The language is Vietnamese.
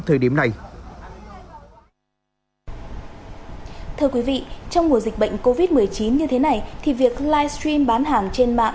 thưa quý vị trong mùa dịch bệnh covid một mươi chín như thế này thì việc livestream bán hàng trên mạng